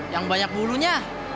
yang banyak bulunya